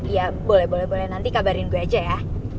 ya boleh boleh nanti kabarin gue aja ya